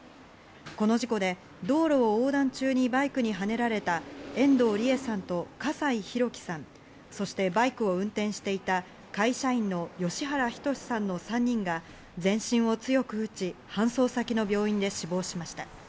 この事故で道路を横断中にバイクにはねられた遠藤理栄さんと笠井広記さん、そしてバイクを運転していた会社員の吉原将さんの３人が全身を強く打ち搬送先の病院で死亡しました。